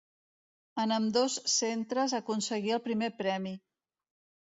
En ambdós centres aconseguí el primer premi.